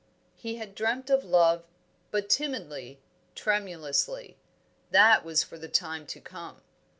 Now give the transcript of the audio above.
He had dreamt of love, but timidly, tremulously; that was for the time to come.